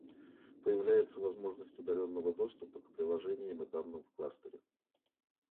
Появляется возможность удаленного доступа к приложениям и данным в кластере